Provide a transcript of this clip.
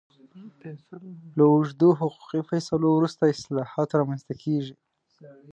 له اوږدو حقوقي فیصلو وروسته اصلاحات رامنځته کېږي.